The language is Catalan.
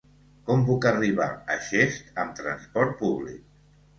Com puc arribar a Xest amb transport públic?